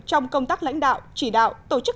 trong công tác lãnh đạo chỉ đạo tổ chức